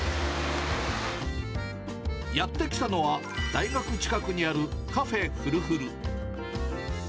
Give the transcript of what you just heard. やって来たのは、大学近くにあるカフェ・フルフル。